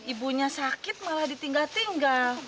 ibunya sakit malah ditinggah tinggah